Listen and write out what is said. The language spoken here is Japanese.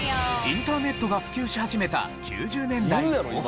インターネットが普及し始めた９０年代後半。